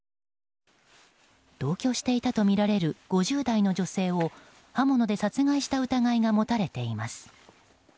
同居していたとみられる５０代の女性を刃物で殺害した疑いが持たれています。